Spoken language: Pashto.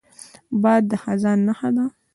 باد د خزان نښه ده